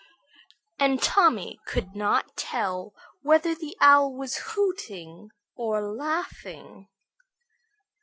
and Tommy could not tell whether the Owl was hooting or laughing.